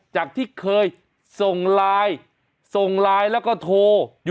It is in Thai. จากที่เคยส่งไลน์แล้วก็โทร